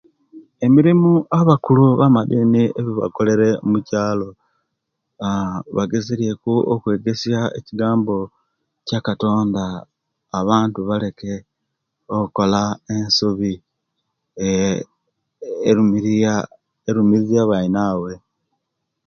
Emirimo abakulu bamadiini ejebakolera mukyalo aa bagezelyeku okwegesa ekiggambo kya katonda aa abantu baleke okola ensobi eeh erumirirya erumirirya abainaabwe